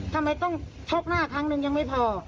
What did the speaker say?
ทำไมต้องชกหน้าครั้งนึงยังไม่พอ